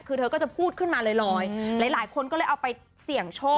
คือเธอก็จะพูดขึ้นมาลอยหลายคนก็เลยเอาไปเสี่ยงโชค